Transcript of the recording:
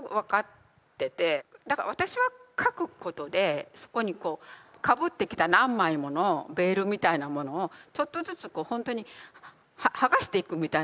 だから私は書くことでそこにかぶってきた何枚ものベールみたいなものをちょっとずつこうほんとに剥がしていくみたいな作業があって。